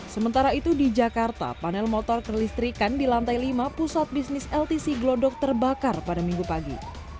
sementara itu di jakarta panel motor kelistrikan di lantai lima pusat bisnis ltc glodok terbakar pada minggu pagi